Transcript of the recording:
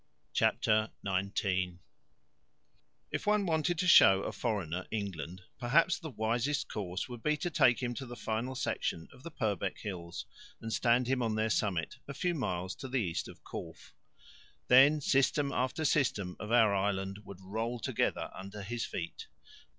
Chapter 19 If one wanted to show a foreigner England, perhaps the wisest course would be to take him to the final section of the Purbeck Hills, and stand him on their summit, a few miles to the east of Corfe. Then system after system of our island would roll together under his feet.